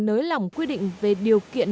nới lỏng quy định về điều kiện